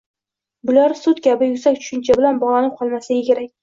– bular «sud» kabi yuksak tushuncha bilan bog‘lanib qolmasligi kerak.